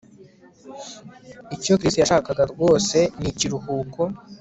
Icyo Chris yashakaga rwose ni ikiruhuko